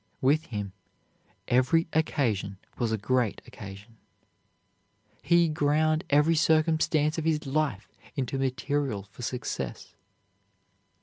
With him, every occasion was a great occasion. He ground every circumstance of his life into material for success.